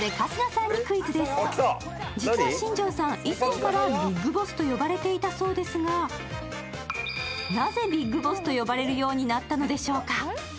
実際、新庄さん、以前からビッグボスと呼ばれていたそうですが、なぜビッグボスと呼ばれるようになったのでしょうか。